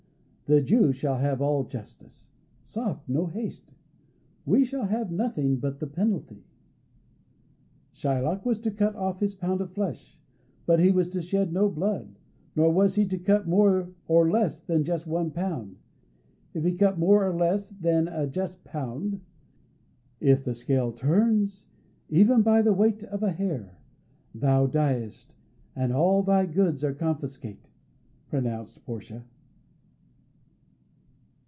The Jew shall have all justice. Soft, no haste! He shall have nothing but the penalty." [Illustration: "Tarry a little: there is something else!"] Shylock was to cut off his pound of flesh, but he was to shed no blood. Nor was he to cut more or less than just one pound. If he cut more or less than a just pound "If the scale turns even by the weight of a hair, thou diest, and all thy goods are confiscate," pronounced Portia.